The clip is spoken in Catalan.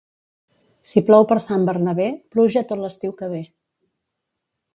Si plou per Sant Bernabé, pluja tot l'estiu que ve.